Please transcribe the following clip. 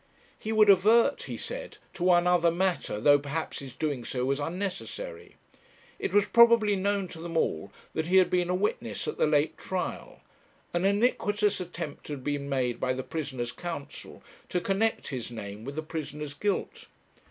'He would advert,' he said, 'to one other matter, though, perhaps, his doing so was unnecessary. It was probably known to them all that he had been a witness at the late trial; an iniquitous attempt had been made by the prisoner's counsel to connect his name with the prisoner's guilt.